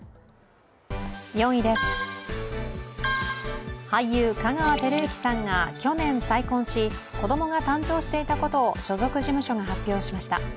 ４位です、俳優・香川照之さんが去年再婚し、子供が誕生していたことを所属事務所が発表しました。